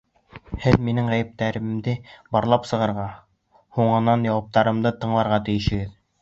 Һеҙ минең ғәйептәремде барлап сығырға, һуңынан яуаптарымды тыңларға тейешһегеҙ.